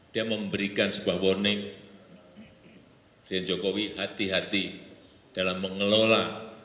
dia memberikan sebuah warning presiden jokowi hati hati dalam mengelola